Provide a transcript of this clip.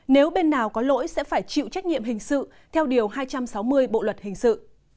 nếu bên nào có lỗi sẽ phải chịu trách nhiệm hình sự theo điều hai trăm sáu mươi bộ luật hình sự